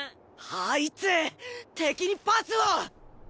あいつ敵にパスを！